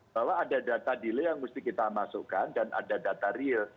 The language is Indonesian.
bahwa ada data delay yang mesti kita masukkan dan ada data real